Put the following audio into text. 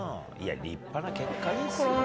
いや、立派な結果ですよ。